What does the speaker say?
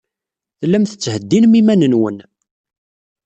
Tellam tettheddinem iman-nwen.